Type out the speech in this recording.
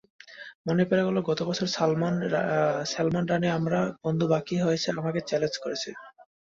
মনে পড়ে গেল, গত বছর স্যালমন রানে আমার বন্ধু বাকি আমাকে চ্যালেঞ্জ করেছিল।